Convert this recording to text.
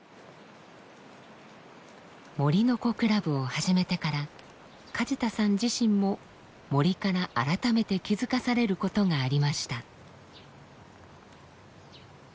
森の子クラブを始めてから梶田さん自身も森から改めて気付かされることがありました。